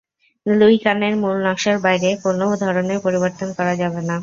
Luis কানের মূল নকশার বাইরে কোনো ধরনের পরিবর্তন করা যাবে না।